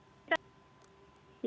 kota tangerang selatan ya